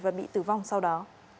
và bị tử vong sau đó